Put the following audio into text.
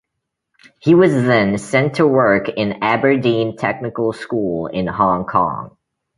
He was then sent to work in Aberdeen Technical School in Hong Kong.